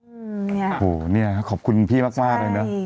ช่วยได้เยอะมากอืมเนี้ยโหเนี้ยขอบคุณพี่มากมากเลยเนอะใช่